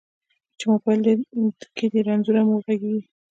چې موبایل کې دې رنځوره مور غږیږي